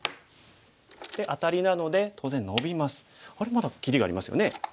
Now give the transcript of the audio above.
まだ切りがありますよね。